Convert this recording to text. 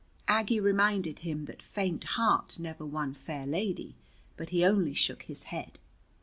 Aggie reminded him that faint heart never won fair lady, but he only shook his head.